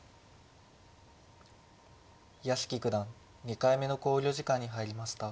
屋敷九段２回目の考慮時間に入りました。